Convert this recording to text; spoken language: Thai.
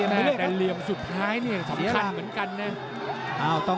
แต่เหลี่ยมสุดท้ายเนี่ยสำคัญเหมือนกันนะ